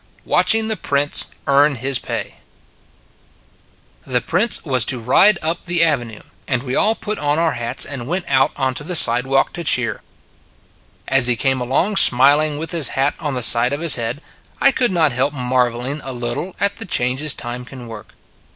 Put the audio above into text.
WATCHING THE PRINCE EARN HIS PAY THE Prince was to ride up the Avenue, and we all put on our hats and went out onto the side walk to cheer. As he came along smiling, with his hat on the side of his head, I could not help marvelling a little at the changes time can work.